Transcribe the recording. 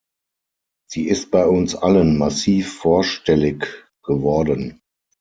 Sie ist bei uns allen massiv vorstellig geworden.